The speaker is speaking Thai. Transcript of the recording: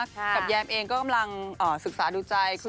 กับแยมเองก็กำลังศึกษาดูใจ